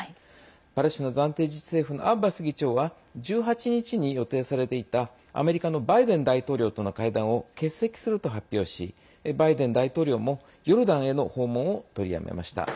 パレスチナ暫定自治政府のアッバス議長は１８日に予定されていたアメリカのバイデン大統領との会談を欠席すると発表しバイデン大統領もヨルダンへの訪問を取りやめました。